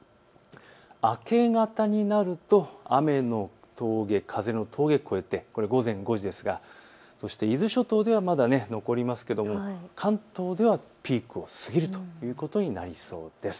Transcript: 明け方になると雨の峠、風の峠を越えて午前５時ですが伊豆諸島ではまだ残りますけれども関東ではピークを過ぎるということになりそうです。